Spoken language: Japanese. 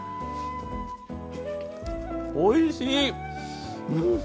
おいしい！